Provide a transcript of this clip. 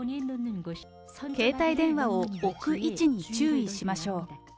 携帯電話を置く位置に注意しましょう。